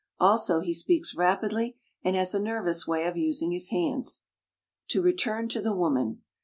Also, he speaks rapidly, and has a nervous way of using his hands. To return to the woman.